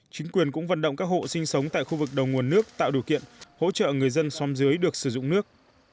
chính quyền cũng vận động các hộ sinh sống tại khu vực đầu nguồn nước tạo điều kiện hỗ trợ người dân xóm dưới được sử dụng nước